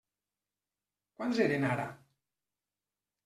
Quants eren ara?